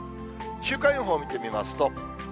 週間予報見てみますと。